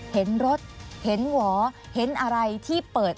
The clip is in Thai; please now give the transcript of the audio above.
เห็นรถเห็นหวอเห็นอะไรที่เปิด